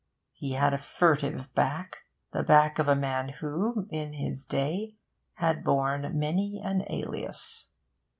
He had a furtive back the back of a man who, in his day, had borne many an alias.